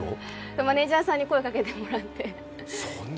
マネージャーさんに声をかけてもらって。